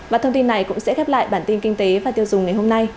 và thông tin này cũng sẽ khép lại bản tin kinh tế và tiêu dùng ngày hôm nay